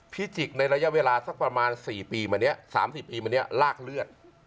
ภิจิกษ์ในระยะเวลาสักประมาณ๔๐๓๐ปีมานี้ลากเลือด